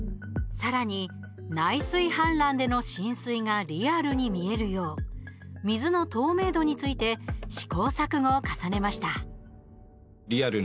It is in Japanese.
さらに、内水氾濫での浸水がリアルに見えるよう水の透明度について試行錯誤を重ねました。